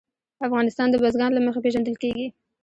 افغانستان د بزګان له مخې پېژندل کېږي.